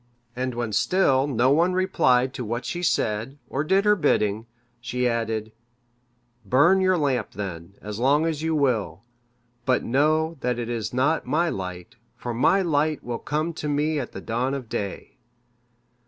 And when still no one replied to what she said, or did her bidding, she added, "Burn your lamp, then, as long as you will; but know, that it is not my light, for my light will come to me at the dawn of day."